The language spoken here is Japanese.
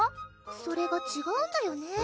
それがちがうんだよねぇ